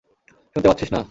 শুনতে পাচ্ছিস না?